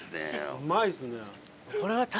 うまいっすね。